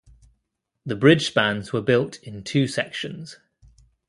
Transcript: The bridge spans were built in two sections.